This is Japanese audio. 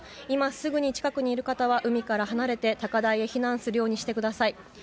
今すぐに近くにいる方は海から離れて高台に避難するようにしてください。